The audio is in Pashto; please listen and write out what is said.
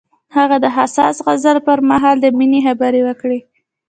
هغه د حساس غزل پر مهال د مینې خبرې وکړې.